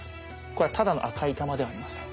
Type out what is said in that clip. これはただの赤い玉ではありません。